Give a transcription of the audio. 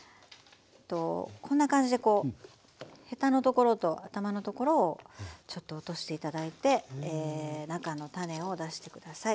こんな感じでこうヘタのところと頭のところをちょっと落として頂いて中の種を出して下さい。